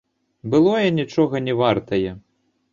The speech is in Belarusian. Былое нічога не вартае.